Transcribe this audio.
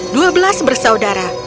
dua belas bersaudara